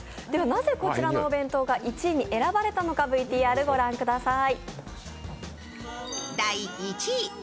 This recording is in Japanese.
なぜこちらのお弁当が１位に選ばれたのかＶＴＲご覧ください。